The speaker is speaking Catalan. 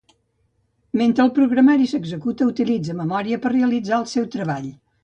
Mentre el programari s'executa utilitza memòria per realitzar el seu treball.